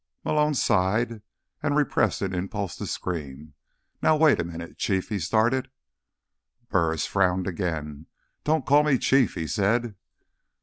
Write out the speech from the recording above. Malone sighed and repressed an impulse to scream. "Now wait a minute, Chief—" he started. Burris frowned again. "Don't call me Chief," he said.